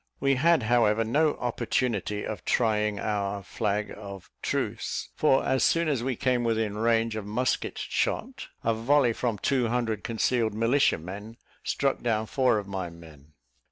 We had, however, no opportunity of trying our flag of truce, for as soon as we came within range of musket shot, a volley from two hundred concealed militiamen struck down four of my men.